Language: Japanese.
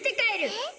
えっ？